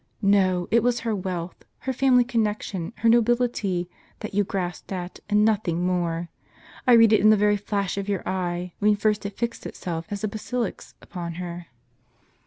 No, it was her wealth, her family connection, her nobility, that you grasped at, and nothing more ; I read it in the very flash of your eye, when first it fixed itself, as a basilisk's, upon her."